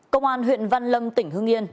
công an huyện văn lâm tỉnh hương yên